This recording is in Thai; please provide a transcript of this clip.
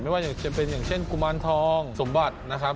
อย่างจะเป็นอย่างเช่นกุมารทองสมบัตินะครับ